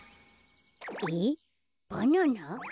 えっバナナ？